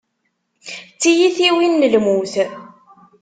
D tiyitwin n lmut.